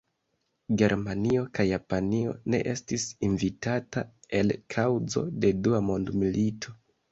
Germanio kaj Japanio ne estis invitata el kaŭzo de Dua mondmilito.